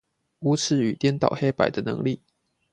無恥與顛倒黑白的能力